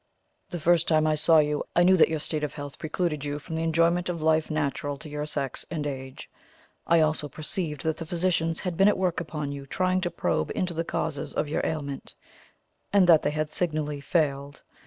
The first time I saw you I knew that your state of health precluded you from the enjoyment of life natural to your sex and age. I also perceived that the physicians had been at work upon you trying to probe into the causes of your ailment, and that they had signally failed.